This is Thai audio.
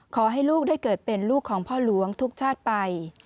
ขอให้ลูกได้เกิดเป็นลูกของพ่อหลวงทุกชาติไป